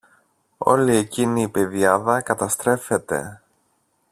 όλη εκείνη η πεδιάδα καταστρέφεται!